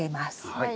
はい。